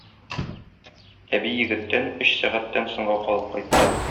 Әби егеттән өч сәгатьтән соңга калып кайтты.